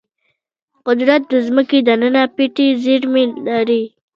قدرت د ځمکې دننه پټې زیرمې لري.